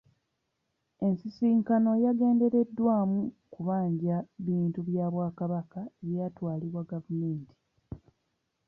Ensisinkano yagendereddwamu kubanja bintu bya Bwakabaka ebyatwalibwa gavumenti.